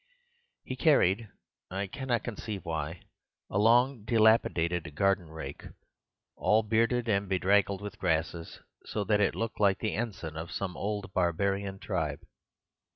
"He carried (I cannot conceive why) a long, dilapidated garden rake, all bearded and bedraggled with grasses, so that it looked like the ensign of some old barbarian tribe.